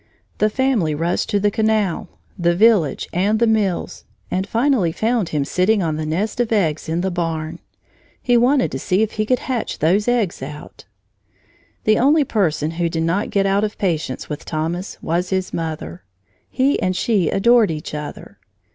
The family rushed to the canal, the village, and the mills, and finally found him sitting on the nest of eggs in the barn. He wanted to see if he could hatch those eggs out! The only person who did not get out of patience with Thomas was his mother. He and she adored each other.